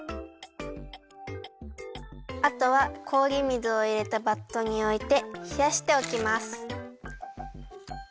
あとはこおり水をいれたバットにおいてひやしておきます。